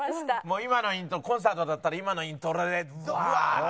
もう今のイントロコンサートだったら今のイントロでワーッ！